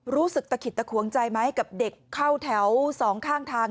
รู้สึกตะขิดตะขวงใจไหมกับเด็กเข้าแถวสองข้างทาง